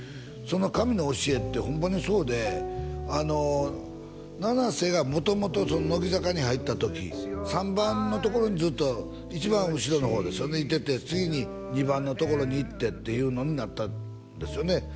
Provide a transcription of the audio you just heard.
そのかみの教えってホンマにそうで七瀬がもともと乃木坂に入った時３番のところにずっと一番後ろのほうですよねいてて次に２番のところにいってていうのになったんですよね